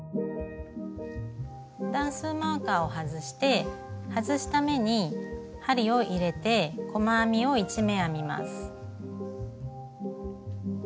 段数マーカーを外して外した目に針を入れて細編みを１目編みます。